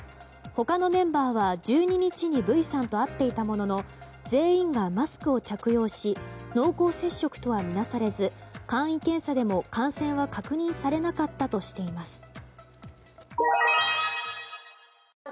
他のメンバーは１２日にＶさんと会っていたものの全員がマスクを着用し濃厚接触とはみなされず簡易検査でも感染は確認されなかったとしています。